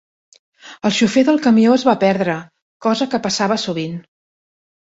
El xofer del camió es va perdre, cosa que passava sovint